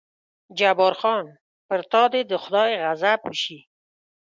جبار خان: پر تا دې د خدای غضب وشي.